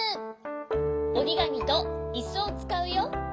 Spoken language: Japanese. おりがみといすをつかうよ。